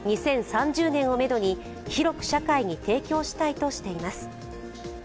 ２０３０年をめどに広く社会に提供したいとしています。